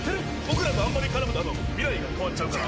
僕らとあんまり絡むと未来が変わっちゃうから。